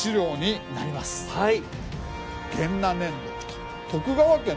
はい。